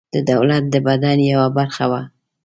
د دولت د بدن یوه برخه وه.